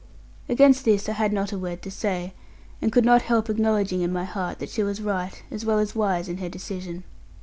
Against this I had not a word to say; and could not help acknowledging in my heart that she was right, as well as wise, in her decision.